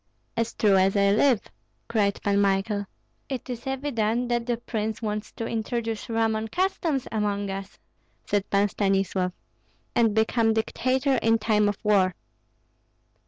"As true as I live," cried Pan Michael. "It is evident that the prince wants to introduce Roman customs among us," said Pan Stanislav, "and become dictator in time of war."